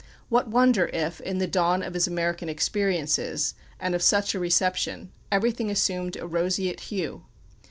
What wonder if in the dawn of his American experiences, and of such a reception, everything assumed a roseate hue?